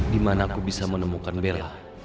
dimana aku bisa menemukan bella